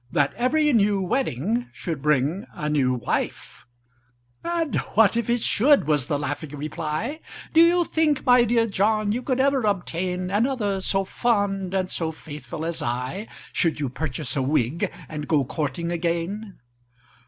That every new wedding should bring a new wife!" "And what if it should?" was the laughing reply; "Do you think, my dear John, you could ever obtain Another so fond and so faithful as I, Should you purchase a wig, and go courting again?"